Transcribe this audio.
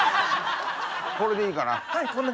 これでいいかな。